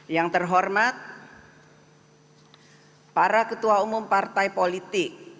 yang terhormat para ketua umum partai politik